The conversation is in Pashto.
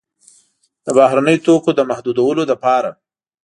د بهرنیو توکو د محدودولو لپاره.